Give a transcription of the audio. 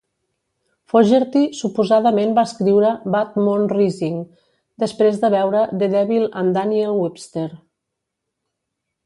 Fogerty suposadament va escriure "Bad Moon Rising" després de veure "The Devil and Daniel Webster".